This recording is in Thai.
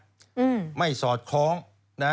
อืมไม่สอดคล้องนะ